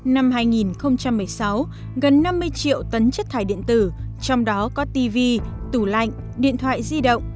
năm hai nghìn một mươi sáu gần năm mươi triệu tấn chất thải điện tử trong đó có tv tủ lạnh điện thoại di động